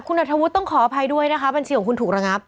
คุณอัธวุฒิต้องขออภัยด้วยนะคะบัญชีของคุณถูกระงับ